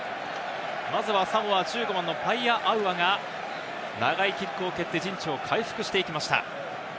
まずはサモア１５番のパイアアウアが長いキックを蹴って陣地を回復していきました。